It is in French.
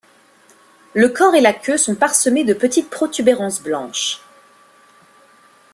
Le corps et la queue sont parsemées de petites protubérances blanches.